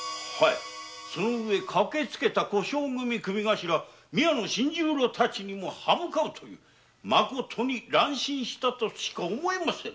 その上駆けつけた小姓組組頭・宮野新十郎たちに刃向かいまことに乱心したとしか思えませぬ。